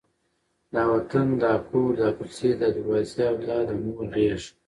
دا وطن، دا کور، دا کوڅې، دا دروازې، دا د مور غېږ،